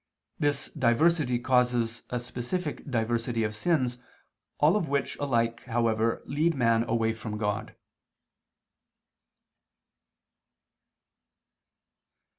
This diversity causes a specific diversity of sins, all of which alike however lead man away from God.